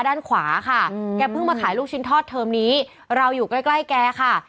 ด้านขวาค่ะแกเพิ่งมาขายลูกชิ้นทอดเทอมนี้เราอยู่ใกล้ใกล้แกค่ะ